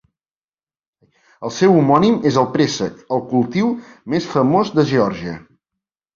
El seu homònim és el préssec, el cultiu més famós de Geòrgia.